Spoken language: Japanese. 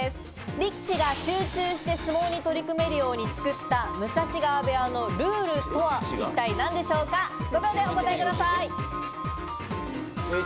力士が集中して相撲に取り組めるように作った武蔵川部屋のルールとは一体何でしょうか、５秒でお答えください。